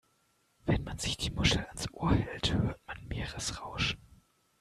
Wenn man sich die Muschel ans Ohr hält, hört man Meeresrauschen.